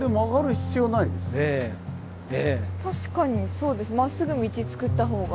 確かにそうです。